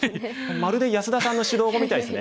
まるで安田さんの指導碁みたいですね。